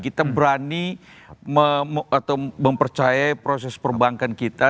kita berani mempercaya proses perbankan kita